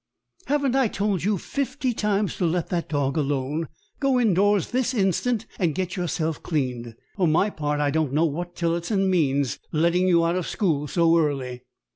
"Haven't I told you fifty times to let that dog alone? Go indoors this instant and get yourself cleaned! For my part, I don't know what Tillotson means, letting you out of school so early."